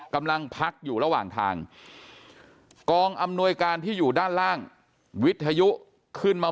กำลังพักอยู่ระหว่างทางกองอำนวยการที่อยู่ด้านล่างวิทยุขึ้นมา